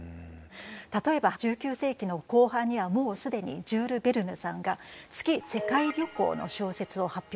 例えば１９世紀の後半にはもう既にジュール・ヴェルヌさんが「月世界旅行」の小説を発表されています。